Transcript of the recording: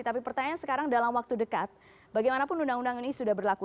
tapi pertanyaan sekarang dalam waktu dekat bagaimanapun undang undang ini sudah berlaku